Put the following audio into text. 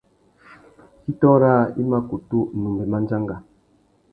Kitô râā i ma kutu numbe mándjanga.